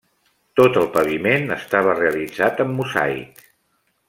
Tot el paviment estava realitzat amb mosaic.